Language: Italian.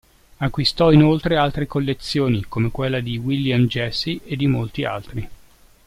Acquistò inoltre altre collezioni, come quella di William Jesse e di molti altri.